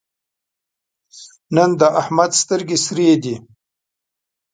نن د احمد سترګې سرې دي.